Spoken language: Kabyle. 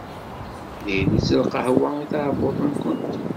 Diri-tt lqahwa i tɛebbuṭ-nkent.